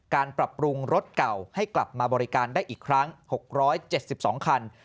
การปรับปรุงรถเก่าให้กลับมาบริการได้อีกครั้ง๖๗๒คัน